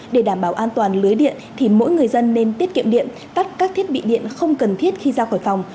để đảm bảo an toàn lưới điện thì mỗi người dân nên tiết kiệm điện tắt các thiết bị điện không cần thiết khi ra khỏi phòng